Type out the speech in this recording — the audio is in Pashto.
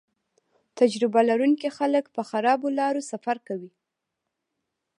تجربه لرونکي خلک په خرابو لارو سفر کوي